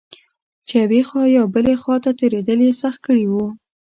چې یوې خوا یا بلې خوا ته تېرېدل یې سخت کړي و.